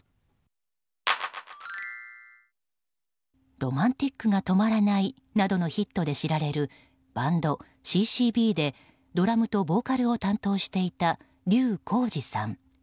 「Ｒｏｍａｎｔｉｃが止まらない」などのヒットで知られるバンドＣ‐Ｃ‐Ｂでドラムとボーカルを担当していた笠浩二さん。